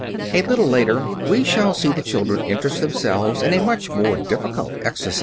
A little later we shall see the children interest themselves in a much more difficult exercise.